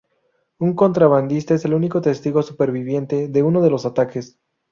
Un contrabandista es el único testigo superviviente de uno de los ataques.